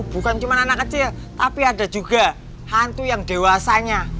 bukan cuma anak kecil tapi ada juga hantu yang dewasanya